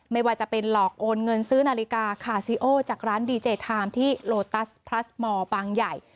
ไม่ว่าจะเป็นหลอกโอนเงินซื้อนาฬิกาจากร้านที่โลตัสพลัสมอร์บังใหญ่